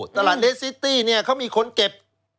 ตลาดเลสซิตี้เนี่ยเขามีคนเก็บ